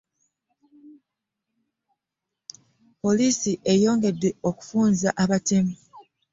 Poliisi eyongedde okufuunza abatemu.